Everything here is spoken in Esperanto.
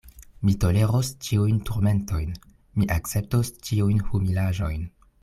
Mi toleros ĉiujn turmentojn, mi akceptos ĉiujn humilaĵojn.